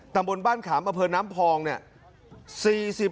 ตำบลบ้านขามอำเภอน้ำพองเนี่ย